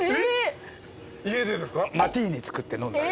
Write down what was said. マティーニ作って飲んだり。